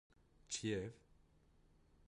Çi ye ev?